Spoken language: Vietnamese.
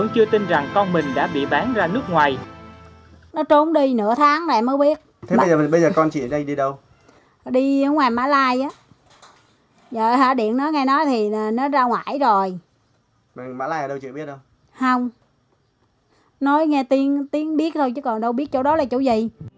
chưa tin rằng con mình đã bị bán ra nước ngoài